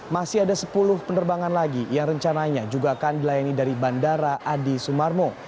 masih ada sepuluh penerbangan lagi yang rencananya juga akan dilayani dari bandara adi sumarmo